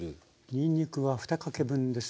にんにくは２かけ分です。